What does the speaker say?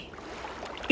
itu akan membuatmu terbuka